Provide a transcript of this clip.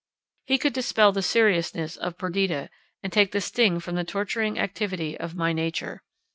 He could dispel the seriousness of Perdita, and take the sting from the torturing activity of my nature.